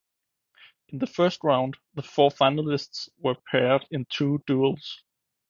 In the first round the four finalists were paired in two duels.